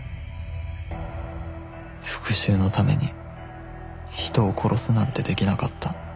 復讐のために人を殺すなんてできなかった